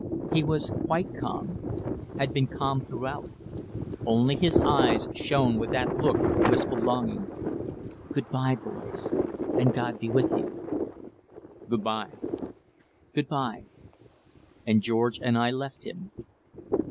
He was quite calm had been calm throughout. Only his eyes shone with that look of wistful longing. "Good bye, boys, and God be with you!" "Good bye!" "Good bye!" And George and I left him.